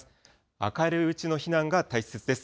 明るいうちの避難が大切です。